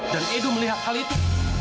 dan edo melihat hal itu